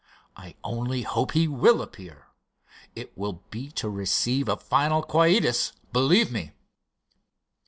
I only hope he will appear. It will be to receive a final quietus, believe me."